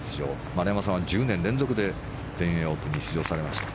丸山さんは１０年連続で全英オープンに出場されました。